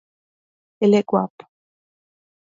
Ele é guapo